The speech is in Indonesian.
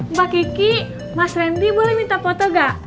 mbak kiki mas randy boleh minta foto gak